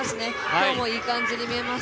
今日もいい感じに見えます。